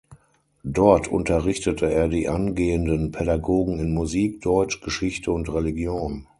Dort unterrichtete er die angehenden Pädagogen in Musik, Deutsch, Geschichte und Religion.